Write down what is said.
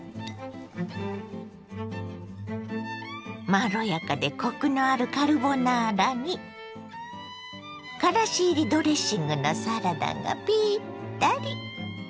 まろやかでコクのあるカルボナーラにからし入りドレッシングのサラダがピッタリ。